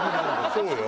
そうよ。